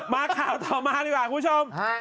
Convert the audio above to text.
มาข่าวต่อมาดีกว่าคุณผู้ชม